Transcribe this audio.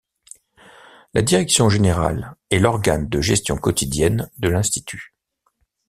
La direction générale est l'organe de gestion quotidienne de l'Institut.